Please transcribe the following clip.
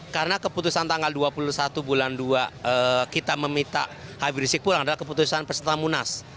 karena keputusan tanggal dua puluh satu bulan dua kita meminta habis berisik pulang adalah keputusan persetamunas